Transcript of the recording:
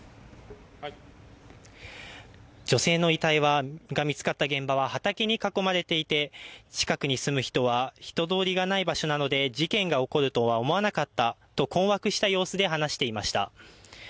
女性の遺体が見つかった現場は畑に囲まれていて、近くに住む人は人通りがない場所なので事件が起こるとは思わなかったと困惑した様子で話していました。